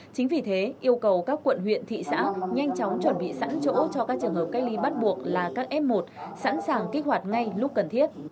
chính vì thế yêu cầu các quận huyện thị xã nhanh chóng chuẩn bị sẵn chỗ cho các trường hợp cách ly bắt buộc là các f một sẵn sàng kích hoạt ngay lúc cần thiết